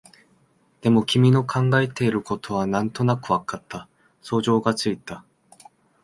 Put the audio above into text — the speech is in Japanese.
でも、君の考えていることはなんとなくわかった、想像がついた